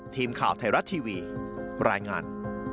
ทีมข่าวไทยรัฐทีวีรายงาน